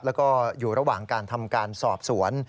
แล้วก็อยู่ระหว่างการทำการสอบสวน